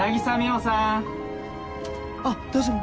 あっ大丈夫？